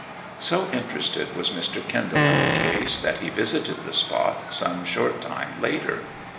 So interested was Mr. Kendall in the case that he visited the spot some short time later.